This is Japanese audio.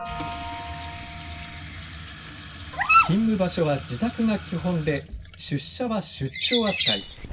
勤務場所は自宅が基本で出社は出張扱い。